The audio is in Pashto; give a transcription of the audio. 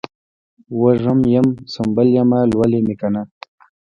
وږم یم ، سنبل یمه لولی مې کنه